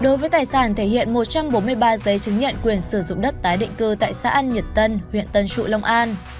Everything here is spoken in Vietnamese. đối với tài sản thể hiện một trăm bốn mươi ba giấy chứng nhận quyền sử dụng đất tái định cư tại xã an nhật tân huyện tân trụ long an